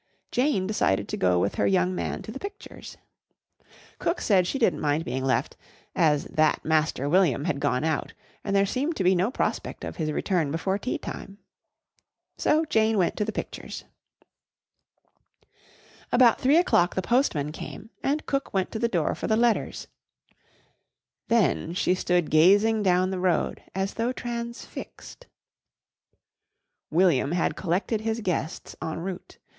Jane decided to go with her young man to the pictures. Cook said she didn't mind being left, as "that Master William" had gone out and there seemed to be no prospect of his return before tea time. So Jane went to the pictures. About three o'clock the postman came and cook went to the door for the letters. Then she stood gazing down the road as though transfixed. William had collected his guests en route.